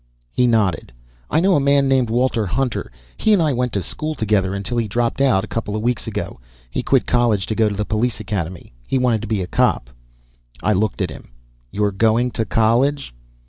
He nodded. "I know a man named Walter Hutner. He and I went to school together, until he dropped out, couple weeks ago. He quit college to go to the Police Academy. He wanted to be a cop." I looked at him. "You're going to college?"